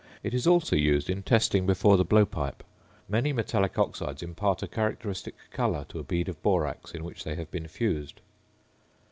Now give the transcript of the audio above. It is also used in testing before the blowpipe; many metallic oxides impart a characteristic colour to a bead of borax in which they have been fused.